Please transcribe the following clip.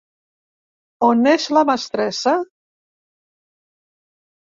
On és la mestressa?